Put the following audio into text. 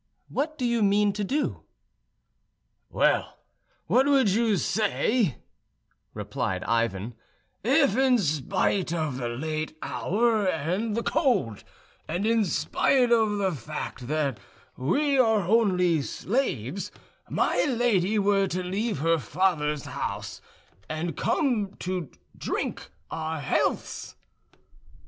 "What do you mean to do?" "Well, what would you say," replied Ivan, "if in spite of the late hour and the cold, and in spite of the fact that we are only slaves, my lady were to leave her father's house and come to drink our healths?"